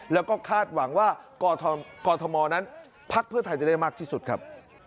แล้วก็คาดหวังว่ากรทมนั้นพักเพื่อไทยจะได้มากที่สุดครับ